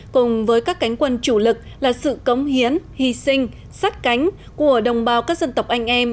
cùng với các cánh quân chủ lực là sự cống hiến hy sinh sát cánh của đồng bào các dân tộc anh em